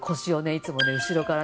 いつもね後ろからね。